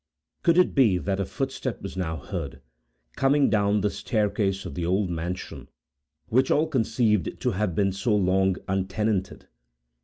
Could it be that a footstep was now heard, coming down the staircase of the old mansion, which all conceived to have been so long untenanted?